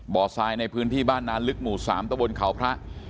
ทรายในพื้นที่บ้านนานลึกหมู่๓ตะบนเขาพระ